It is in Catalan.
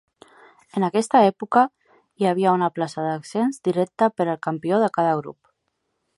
En aquesta època, hi havia una plaça d'ascens directa per al campió de cada grup.